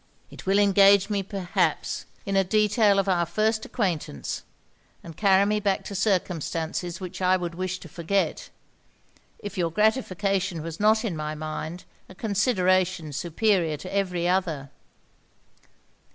It will engage me, perhaps, in a detail of our first acquaintance, and carry me back to circumstances which I would wish to forget; if your gratification was not in my mind a consideration superior to every other.'